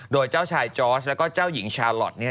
โดยเจ้าชายจอร์สและเจ้าหญิงชาลอชเนี่ย